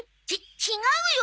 ち違うよ！